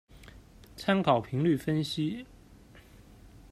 参考频率分析。